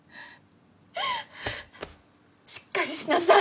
しっかりしなさい！